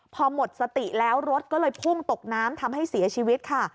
พอหมดสติแล้วรถก็เลยพุ่งตกน้ำทำให้เสียชีวิตค่ะ